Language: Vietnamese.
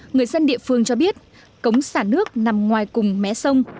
người dân địa phương cho biết cống xả nước nằm ngoài cùng mé sông